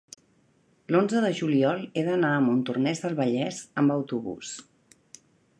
l'onze de juliol he d'anar a Montornès del Vallès amb autobús.